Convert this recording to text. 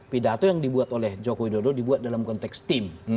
pidato yang dibuat oleh jokowi dodo dibuat dalam konteks tim